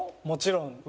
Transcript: もちろん。